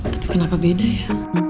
tapi kenapa beda ya